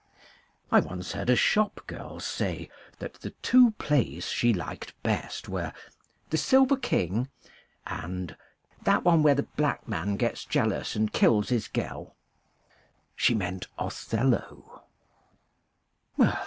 I once heard a shop girl say that the two plays she liked best were " The Silver King," and "that one where the black man gets jealous and kills his girl." She meant " Othello."